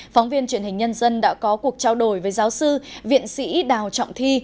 phóng viên truyền hình nhân dân đã có cuộc trao đổi với giáo sư viện sĩ đào trọng thi